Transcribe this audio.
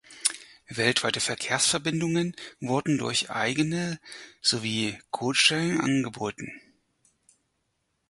Weltweite Verkehrsverbindungen wurden durch eigene sowie Codesharing angeboten.